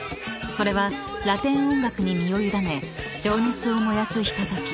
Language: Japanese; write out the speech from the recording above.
［それはラテン音楽に身を委ね情熱を燃やすひととき］